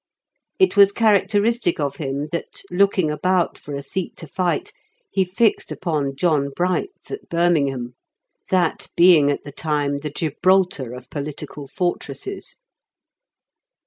It was characteristic of him that, looking about for a seat to fight, he fixed upon John Bright's at Birmingham, that being at the time the Gibraltar of political fortresses.